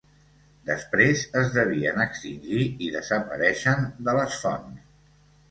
Després es devien extingir i desapareixen de les fonts.